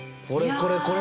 これこれ！